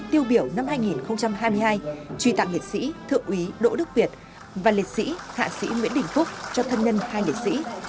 tiêu biểu năm hai nghìn hai mươi hai truy tặng liệt sĩ thượng úy đỗ đức việt và liệt sĩ hạ sĩ nguyễn đình phúc cho thân nhân hai liệt sĩ